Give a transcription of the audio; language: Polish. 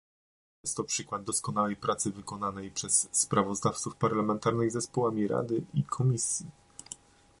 Jest to przykład doskonałej pracy wykonanej przez sprawozdawców parlamentarnych z zespołami Rady i Komisji